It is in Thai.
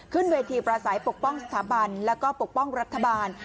ขึ้นเวทีประสัยปกป้องสถาบันแล้วก็ปกป้องรัฐบาล